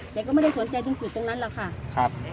แต่ก็ไม่ได้สนใจจุดตรงนั้นแหละ